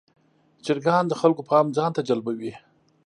چرګان د خلکو پام ځان ته جلبوي.